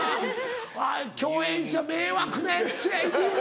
共演者迷惑なヤツやいてるよ！